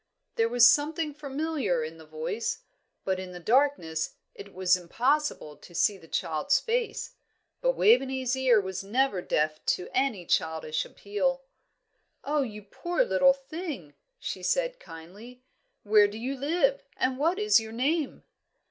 There was something familiar in the voice, but in the darkness it was impossible to see the child's face; but Waveney's ear was never deaf to any childish appeal. "Oh, you poor little thing," she said, kindly, "where do you live, and what is your name?"